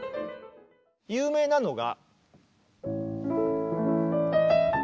有名なのが。